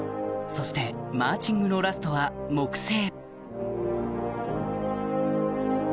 そしてマーチングのラストは「木星」